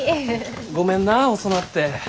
ごめんなぁ遅なって。